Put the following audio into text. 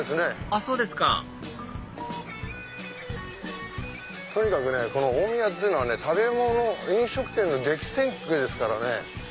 あっそうですかとにかく大宮っていうのは飲食店の激戦区ですからね。